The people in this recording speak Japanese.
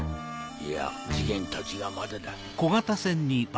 いや次元たちがまだだ。